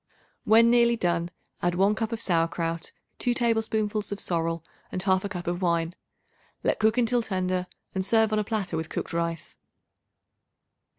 When nearly done, add 1 cup of sauerkraut, 2 tablespoonfuls of sorrel and 1/2 cup of wine. Let cook until tender and serve on a platter with cooked rice.